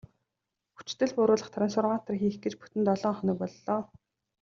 Хүчдэл бууруулах трансформатор хийх гэж бүтэн долоо хоног боллоо.